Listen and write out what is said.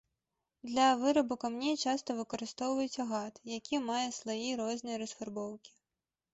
Для вырабу камей часта выкарыстоўваюць агат, які мае слаі рознай расфарбоўкі.